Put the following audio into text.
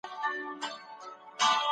پر دغي څوکۍ باندې بل هیڅ یو کشر نه و ناست.